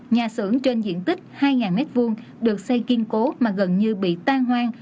nhà xưởng trên diện tích hai m hai được xây kiên cố mà gần như bị tan hoang